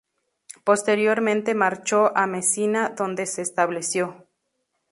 Posteriormente marchó a Mesina, donde se estableció.